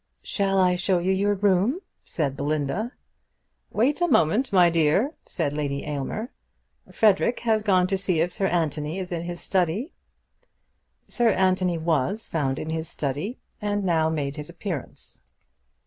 "Shall I show you your room?" said Belinda. "Wait a moment, my dear," said Lady Aylmer. "Frederic has gone to see if Sir Anthony is in his study." Sir Anthony was found in his study, and now made his appearance.